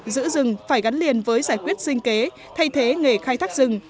giữ rừng phải gắn liền với giải quyết sinh kế thay thế nghề khai thác rừng